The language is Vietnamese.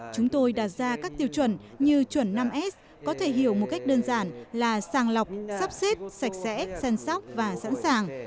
chúng tôi đặt ra các tiêu chuẩn như chuẩn năm s có thể hiểu một cách đơn giản là sàng lọc sắp xếp sạch sẽ chăm sóc và sẵn sàng